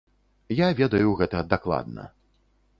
Я ведаю гэта дакладна.